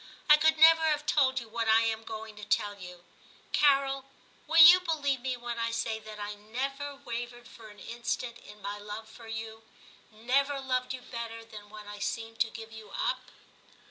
I could never have told you what I am going to tell you. Carol, will you believe me when I say that I never wavered XIII TIM 311 for an instant in my love for you; never loved you better than when I seemed to give you up